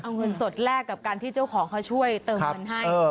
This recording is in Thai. เอาเงินสดแลกกับการที่เจ้าของเขาช่วยเติมเงินให้